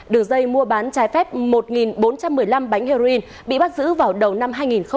đường dây mua bán trái phép một bốn trăm một mươi năm bánh heroin bị bắt giữ vào đầu năm hai nghìn hai mươi ba